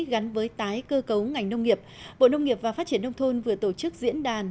gắn với tái cơ cấu ngành nông nghiệp bộ nông nghiệp và phát triển nông thôn vừa tổ chức diễn đàn